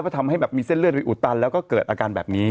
ก็ทำให้แบบมีเส้นเลือดไปอุดตันแล้วก็เกิดอาการแบบนี้